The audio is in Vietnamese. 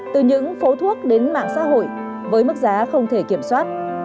từ những phố thuốc đến mạng xã hội với mức giá không thể kiểm soát